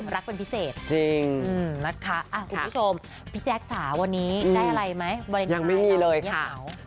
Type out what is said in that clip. รักเป็นพิเศษนะคะคุณผู้ชมพี่แจ๊กส์ฉาววันนี้ได้อะไรไหมบริเวณไทยยังไม่มีเลยค่ะ